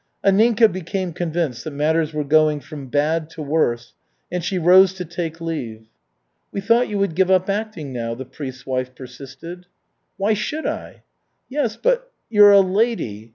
Anninka became convinced that matters were going from bad to worse, and she rose to take leave. "We thought you would give up acting now," the priest's wife persisted. "Why should I?" "Yes, but you are a lady.